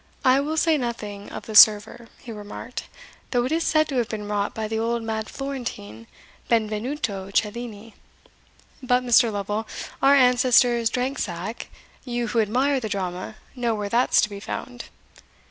"I will say nothing of the server," he remarked, "though it is said to have been wrought by the old mad Florentine, Benvenuto Cellini. But, Mr. Lovel, our ancestors drank sack you, who admire the drama, know where that's to be found.